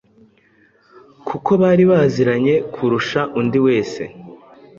kuko bari baziranye kurusha undi wese.